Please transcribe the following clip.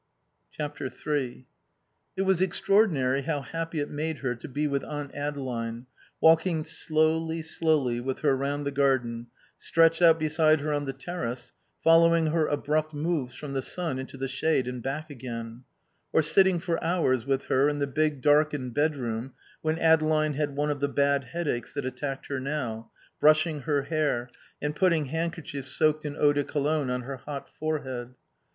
iii It was extraordinary how happy it made her to be with Aunt Adeline, walking slowly, slowly, with her round the garden, stretched out beside her on the terrace, following her abrupt moves from the sun into the shade and back again; or sitting for hours with her in the big darkened bedroom when Adeline had one of the bad headaches that attacked her now, brushing her hair, and putting handkerchiefs soaked in eau de cologne on her hot forehead.